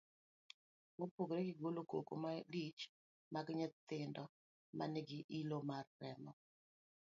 Mopogore gi golo koko malich mag nyithindo ma nigi ilo mar remo